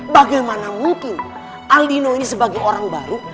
bagaimana mungkin aldino ini sebagai orang baru